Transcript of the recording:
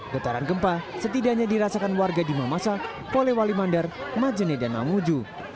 getaran gempa setidaknya dirasakan warga di mamasa polewali mandar majene dan mamuju